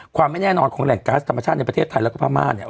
ความไม่แน่นอนของแหล่งก๊าซธรรมชาติในประเทศไทยแล้วก็พม่าเนี่ย